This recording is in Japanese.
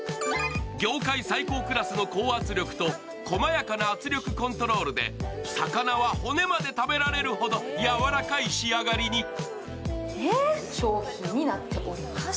業界最高クラスの高圧力と細やかな圧力コントロールで魚は骨まで食べられるほど柔らかい仕上がりに。